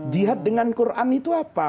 jihad dengan quran itu apa